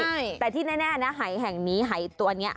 ใช่แต่ที่แน่นะหายแห่งนี้หายตัวนี้